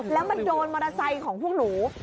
แล้วมาโดนมอเตอร์ไซค์ของพวกหนู